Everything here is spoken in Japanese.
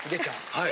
はい。